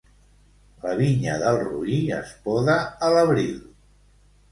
La vinya del roí es poda a l'abril.